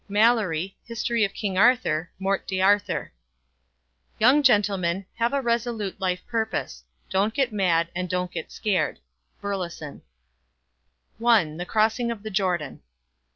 Malory, Hist. of King Arthur; Mort d' Arthur. Young gentlemen, have a resolute life purpose. Don't get mad and don't get scared. Burleson. I. THE CROSSING OF THE JORDAN.